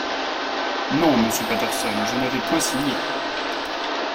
Non... monsieur Patterson, je n’avais point signé...